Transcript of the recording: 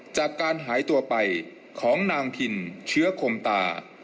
จากการหายตัวไปของนางพินเชื้อคมตา